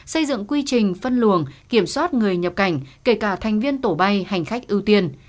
xây dựng quy trình phân luồng kiểm soát người nhập cảnh kể cả thành viên tổ bay hành khách ưu tiên